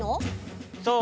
そう！